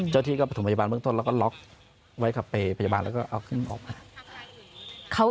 ที่ก็ประถมพยาบาลเบื้องต้นแล้วก็ล็อกไว้ขับไปพยาบาลแล้วก็เอาขึ้นออกมา